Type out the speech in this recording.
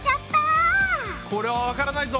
これはわからないぞ！